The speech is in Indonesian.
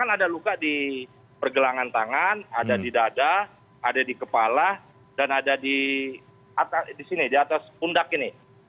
ada luka di pergelangan tangan ada di dada ada di kepala dan ada di atas pundak ini